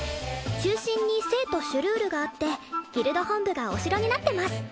中心に聖都シュルールがあってギルド本部がお城になってます